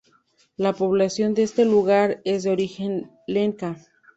La población de este lugar es de origen Lenca.